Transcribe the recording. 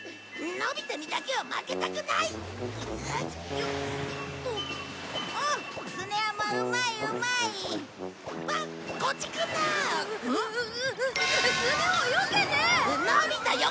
のび太よけろよ！